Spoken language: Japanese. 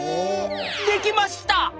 できました！